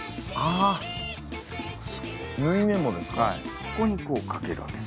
ここにこう掛けるわけです。